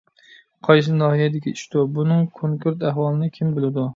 قايسى ناھىيەدىكى ئىشتۇ؟ بۇنىڭ كونكرېت ئەھۋالىنى كىم بىلىدۇ؟